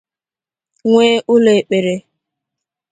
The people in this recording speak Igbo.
nwee ụlọekpere